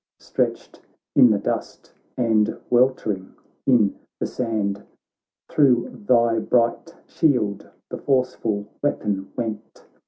Stretched in the dust and weltering in the sand ; Thro' thy bright shield the forceful weapon went.